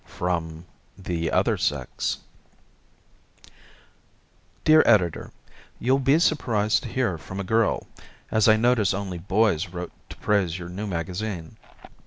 From the Other Sex Dear Editor: You'll be surprised to hear from a girl, as I notice only boys wrote to praise your new magazine.